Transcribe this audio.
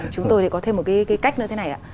chúng tôi có thêm một cái cách nữa thế này